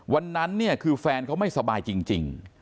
วันนั้นเนี่ยคือแฟนเขาไม่สบายจริง